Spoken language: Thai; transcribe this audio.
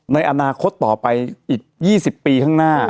ในอนาคตต่อไปอีก๒๐ปีข้างหน้า